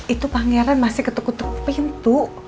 itu pangeran masih ketuk ketuk pintu